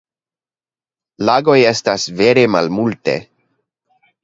Lagoj estas vere malmulte.